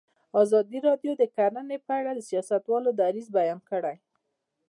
ازادي راډیو د کرهنه په اړه د سیاستوالو دریځ بیان کړی.